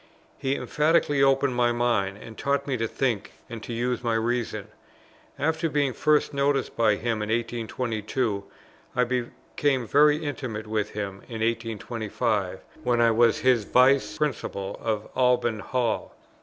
He, emphatically, opened my mind, and taught me to think and to use my reason. After being first noticed by him in 1822, I became very intimate with him in 1825, when I was his Vice Principal at Alban Hall.